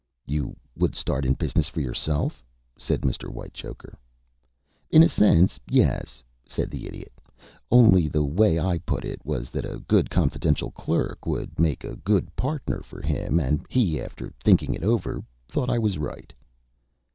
"You would start in business for yourself?" said Mr. Whitechoker. "In a sense, yes," said the Idiot. "Only the way I put it was that a good confidential clerk would make a good partner for him, and he, after thinking it over, thought I was right."